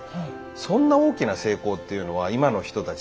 そんな大きな成功というのは今の人たち